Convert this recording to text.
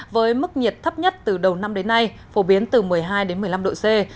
với mức nhiệt thấp nhất từ đầu năm đến nay phổ biến từ một mươi hai đến một mươi năm độ c